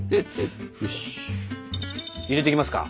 入れていきますか。